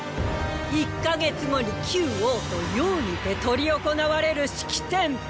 一か月後に旧王都“雍”にて執り行われる式典。